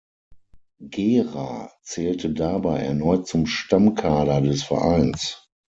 Gera zählte dabei erneut zum Stammkader des Vereins.